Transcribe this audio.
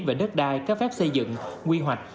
về đất đai các phép xây dựng quy hoạch